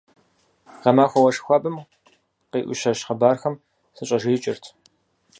Гъэмахуэ уэшх хуабэм, къиӏущэщ хъыбархэм сыщӏэжеикӏырт.